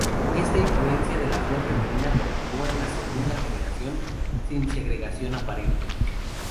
Esta influencia de la flor femenina continúa en la segunda generación sin segregación aparente.